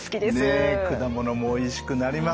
ねっ果物もおいしくなりますし。